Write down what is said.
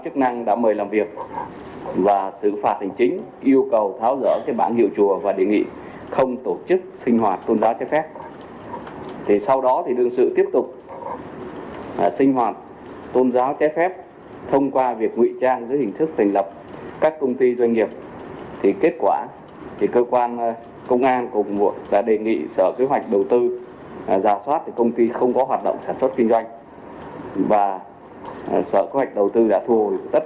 công an tp hcm đã đề nghị sở kế hoạch đầu tư ra soát công ty không có hoạt động sản xuất kinh doanh và sở kế hoạch đầu tư đã thu hồi tất cả các giấy phép được cấp về đăng ký kinh doanh đối với đương sự